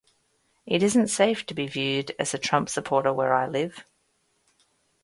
It isn't safe to be viewed as a Trump supporter where I live.